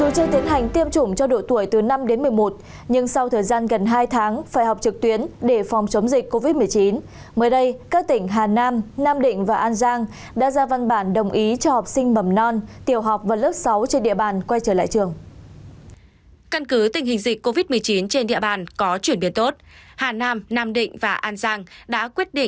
các bạn hãy đăng ký kênh để ủng hộ kênh của chúng mình nhé